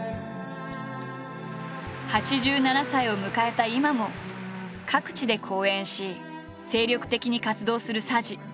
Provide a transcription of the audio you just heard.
８７歳を迎えた今も各地で講演し精力的に活動する佐治。